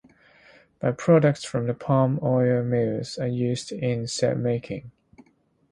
Byproducts from the palm-oil mills are used in soap-making.